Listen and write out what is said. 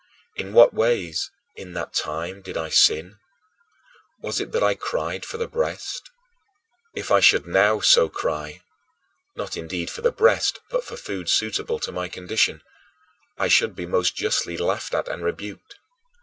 In what ways, in that time, did I sin? Was it that I cried for the breast? If I should now so cry not indeed for the breast, but for food suitable to my condition I should be most justly laughed at and rebuked.